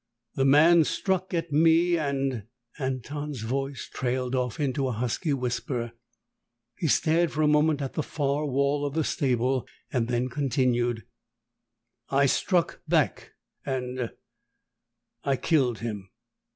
The man struck at me and " Anton's voice trailed off into a husky whisper. He stared for a moment at the far wall of the stable, then continued, "I struck back and I killed him.